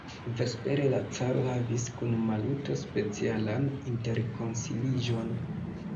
Vespere la caro havis kun Maluto specialan interkonsiliĝon.